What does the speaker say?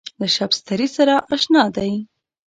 له شبستري سره اشنا دی.